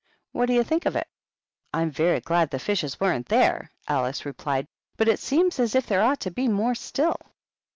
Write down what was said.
What do you think of it?" " Fm very glad the fishes weren't there," Alice replied. "But it seems as if there ought to be more still."